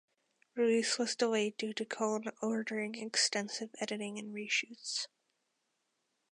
Release was delayed due to Cohn ordering extensive editing and reshoots.